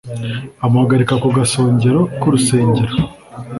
amuhagarika ku gasongero k’urusengero